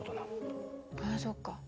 あそっか。